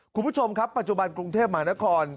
คุณผู้ชมครับปัจจุบันกรุงเทพหมานคร